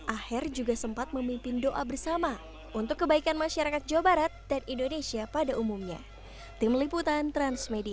aher juga sempat memimpin doa bersama untuk kebaikan masyarakat jawa barat dan indonesia pada umumnya